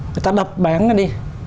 người ta đập bán ra đi